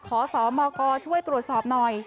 ขอสมกช่วยตรวจสอบหน่อย